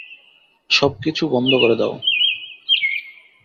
সবকিছু বন্ধ করে দাও।